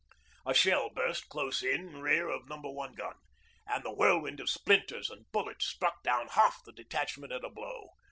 A shell burst close in rear of Number One gun, and the whirlwind of splinters and bullets struck down half the detachment at a blow.